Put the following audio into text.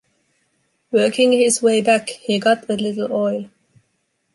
Working his way back, he got a little oil.